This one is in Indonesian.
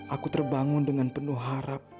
aku terbangun dengan penuh harap